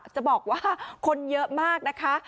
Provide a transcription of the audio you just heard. จะบอกว่าคนเยอะมากนะคะ